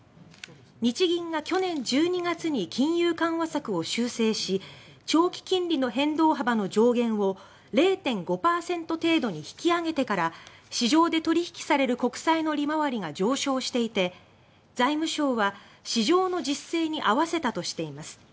日銀が去年１２月に金融緩和策を修正し長期金利の変動幅の上限を０．５％程度に引き上げてから市場で取引される国債の利回りが上昇していて財務省は「市場の実勢に合わせた」としています。